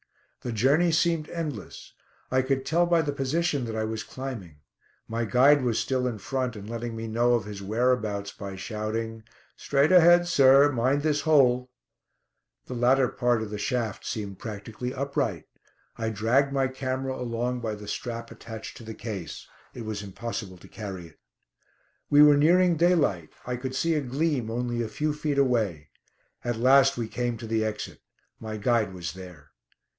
The journey seemed endless. I could tell by the position that I was climbing. My guide was still in front, and letting me know of his whereabouts by shouting: "Straight ahead, sir! Mind this hole!" The latter part of the shaft seemed practically upright. I dragged my camera along by the strap attached to the case. It was impossible to carry it. We were nearing daylight. I could see a gleam only a few feet away. At last we came to the exit. My guide was there.